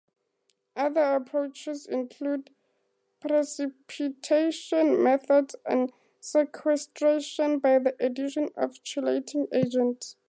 Other approaches include precipitation methods and sequestration by the addition of chelating agents.